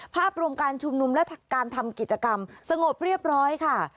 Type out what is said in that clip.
ภาพรวมการชุมนุมและการทำกิจกรรมสงบเรียบร้อยค่ะ